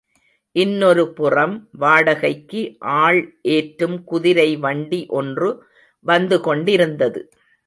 இன்னொரு புறம் வாடகைக்கு ஆள் ஏற்றும் குதிரை வண்டி ஒன்று வந்து கொண்டிருந்தது.